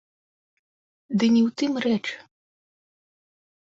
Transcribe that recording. Ды не ў тым рэч.